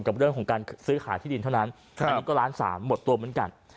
กับเรื่องของการซื้อขายที่ดินเท่านั้นอันนี้ก็ล้านสามหมดตัวเหมือนกัน